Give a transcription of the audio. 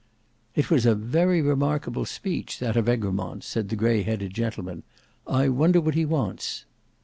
"It was a very remarkable speech—that of Egremont," said the grey headed gentleman. "I wonder what he wants."